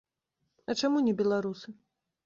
А чаму не беларусы?